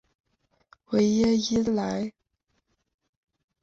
维耶伊莱。